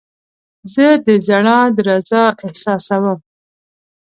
زه د زړه درزا احساسوم.